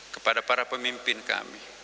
kepada para pemimpin kami